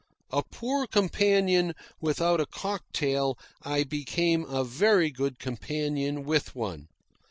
A poor companion without a cocktail, I became a very good companion with one.